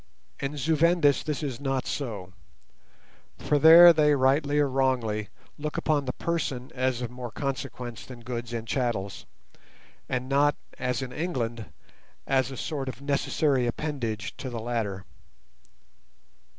In Zu Vendis this is not so, for there they rightly or wrongly look upon the person as of more consequence than goods and chattels, and not, as in England, as a sort of necessary appendage to the latter.